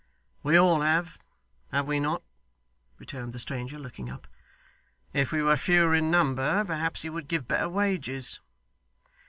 'We all have, have we not?' returned the stranger, looking up. 'If we were fewer in number, perhaps he would give better wages.